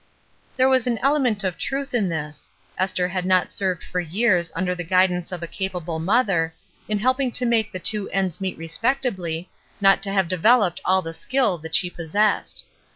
There was an element of truth in this. Esther had not served for years under the guidance of a capable mother^ in helping to make the two ends meet respectably, not to have developed all the skill that she possessed.